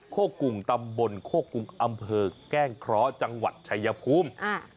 กลุ่มตำบลโคกรุงอำเภอแก้งเคราะห์จังหวัดชายภูมิ